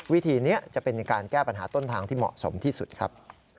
วิธีนี้จะเป็นการแก้ปัญหาต้นทางที่เหมาะสมที่สุดครับ